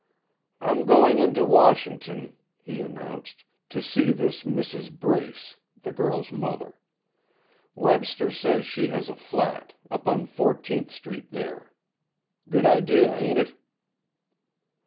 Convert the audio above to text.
"I'm going into Washington," he announced, "to see this Mrs. Brace, the girl's mother. Webster says she has a flat, up on Fourteenth street there. Good idea, ain't it?"